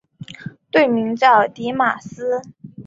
队名叫狄玛斯。